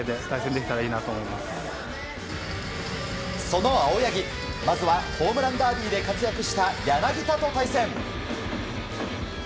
その青柳、まずはホームランダービーで活躍した柳田と対戦。